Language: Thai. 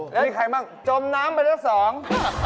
แล้วใครมาจมน้ำไปเดี๋ยวสอง